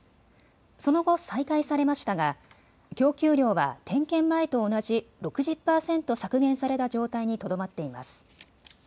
その後、再開されましたが供給量は点検前と同じ６０％削減された状態にとどまっています。